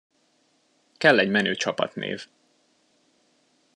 Kell egy menő csapatnév.